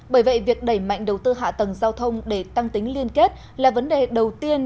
bởi vậy việc đẩy mạnh đầu tư hạ tầng giao thông để tăng tính liên kết là vấn đề đầu tiên